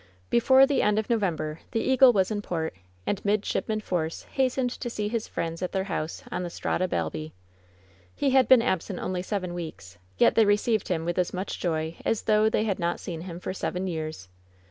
Before the end of November the Eagle was in port, and Midshipman Force hastened to see his friends at their house on the Strada Balbi. He had been absent only seven weeks, yet they re ceived him with as much joy as though they had not seen him for seven years.